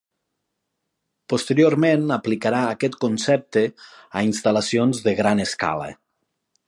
Posteriorment aplicarà aquest concepte a instal·lacions de gran escala.